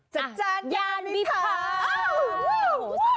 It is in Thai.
จัดจานยานวิพา